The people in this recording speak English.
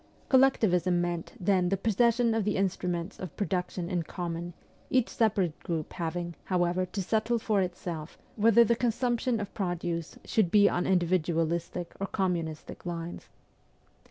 Collectivism me^ant then the posses sion of the instruments of production in common, each separate group having, however, to settle for itself whether the consumption of produce should be on indi vidualistic or communistic lines.